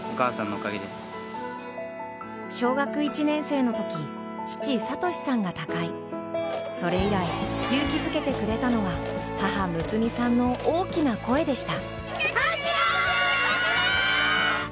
小学１年生のとき父諭さんが他界、それ以来勇気づけてくれたのは母・睦さんの大きな声でした。